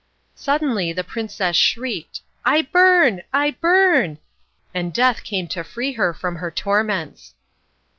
Suddenly the princess shrieked, "I burn, I burn!" and death came to free her from her torments.